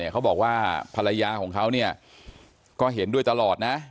เขาบอกว่าภรรยาของเขาก็เห็นด้วยตลอดนะ